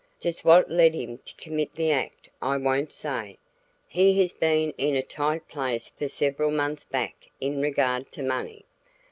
Just what led him to commit the act I won't say; he has been in a tight place for several months back in regard to money.